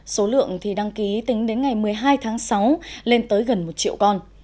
số lượng thì đăng ký tính đến ngày một mươi hai tháng sáu lên tới gần một triệu con